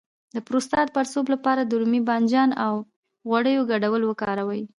د پروستات د پړسوب لپاره د رومي بانجان او غوړیو ګډول وکاروئ